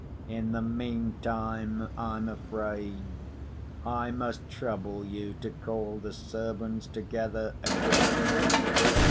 In the meantime, I'm afraid I must trouble you to call the servants together again."